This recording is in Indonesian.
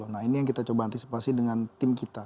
nah ini yang kita coba antisipasi dengan tim kita